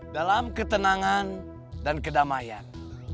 dalam ketenangan dan kedamaian